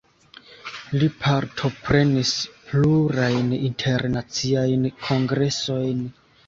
Li partoprenis plurajn internaciajn kongresojn.